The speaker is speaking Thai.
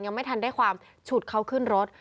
ยังไม่ทันได้ความฉุดเขาขึ้นรถ